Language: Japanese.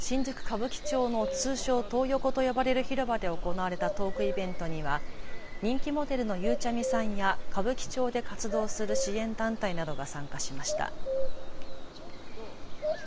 きょう新宿歌舞伎町の通称トー横と呼ばれる広場で行われたトークイベントには人気モデルのゆうちゃみさんや歌舞伎町で活動する支援団体などが参加しました。